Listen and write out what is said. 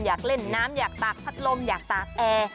อยากเล่นน้ำอยากตากพัดลมอยากตากแอร์